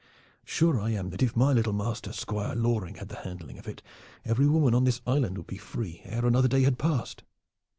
"Sure I am that if my little master Squire Loring had the handling of it, every woman on this island would be free ere another day had passed."